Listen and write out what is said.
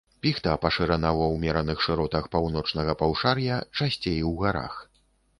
Піхта пашырана ва ўмераных шыротах паўночнага паўшар'я, часцей у гарах.